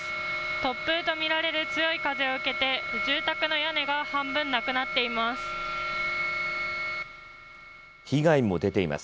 突風と見られる強い風を受けて住宅の屋根が半分なくなっています。